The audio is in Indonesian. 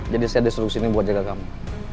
jadi saya destruksinya buat jaga kamu